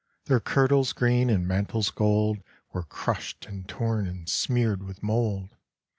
Their kirtles green and mantles gold Were crushed and torn and smeared with mould.